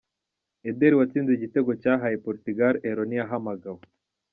Eder watsinze igitego cyahaye Portugal Euro ntiyahamagawe.